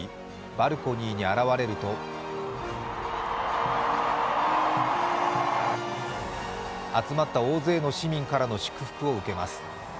バルコニーに現れると集まった大勢の市民からの祝福を受けます。